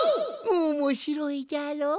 おもしろいじゃろ？